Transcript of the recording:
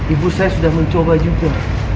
ibu saya sudah mencoba juga